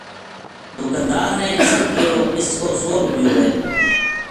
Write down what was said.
دُکاندار نے اِساں کہیو اِس کو سو رُپیو ہے